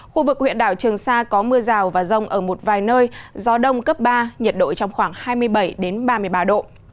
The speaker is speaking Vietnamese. khu vực huyện đảo trường sa có mưa rào và rông ở một vài nơi gió đông cấp ba nhiệt độ trong khoảng hai mươi bảy ba mươi ba độ